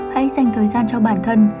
hãy dành thời gian cho bản thân